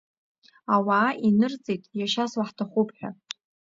Ауаа инырҵеит, иашьас уаҳҭахуп ҳәа.